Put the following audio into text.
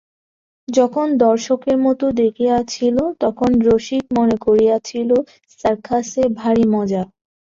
যখন দর্শকের মতো দেখিয়াছিল তখন রসিক মনে করিয়াছিল, সার্কাসে ভারি মজা।